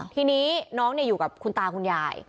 ทีนี้น้องอยู่กับคุณตาคุณยาย